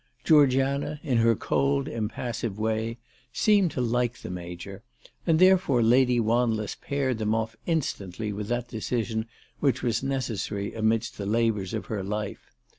Georgiana, in her cold, impassive way, seemed to like the Major, and therefore Lady "Wanless paired them off instantly with that decision which was necessary amidst the labours of her life.